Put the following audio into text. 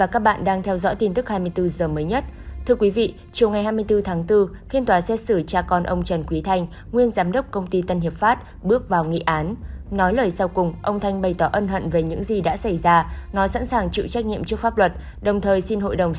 cảm ơn các bạn đã theo dõi